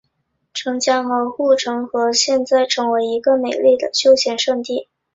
城墙和护城河现在成为一个美丽的休闲胜地。